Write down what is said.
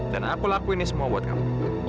dan aku lakuin ini semua buat kamu